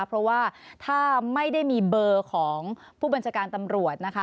เพราะว่าถ้าไม่ได้มีเบอร์ของผู้บัญชาการตำรวจนะคะ